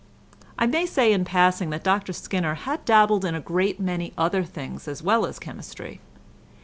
I may say in passing that Dr Skinner had dabbled in a great many other things as well as chemistry.